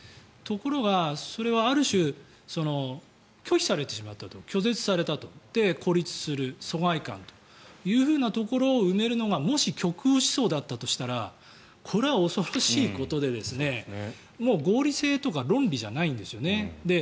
ところが、それはある種、拒否されてしまった拒絶されたと孤立する疎外感というところを埋めるのがもし極右思想だったとしたらこれは恐ろしいことで合理性とか論理じゃないんですよね。